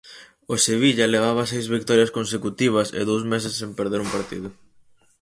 O Sevilla levaba seis vitorias consecutivas e dous meses sen perder un partido.